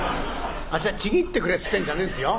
あっしはちぎってくれっつってんじゃねえんですよ？